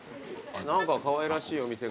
何かかわいらしいお店が。